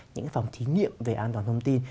những phòng thí nghiệm về an toàn thông tin